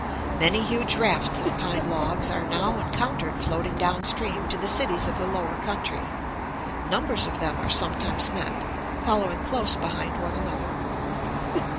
Many huge rafts of pine logs are now encountered floating down stream to the cities of the lower country; numbers of them are sometimes met, following close behind one another.